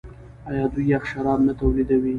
آیا دوی یخ شراب نه تولیدوي؟